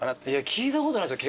聞いたことないですよ